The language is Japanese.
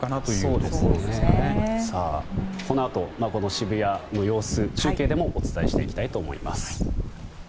このあと渋谷の様子を中継でもお伝えしていきたいと思います。